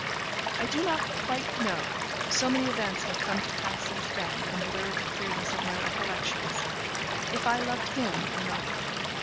I do not quite know so many events have come to pass since then, and blurred the clearness of my recollections if I loved him or not.